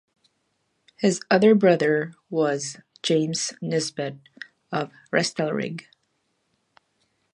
His other brother was James Nisbet of Restalrig.